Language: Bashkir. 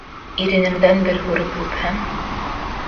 Иренеңдән бер һурып үпһәм...